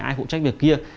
ai phụ trách việc kia